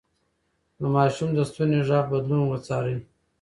د ماشوم د ستوني غږ بدلون وڅارئ.